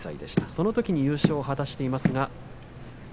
そのとき優勝を果たしています